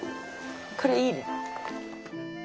これいいね。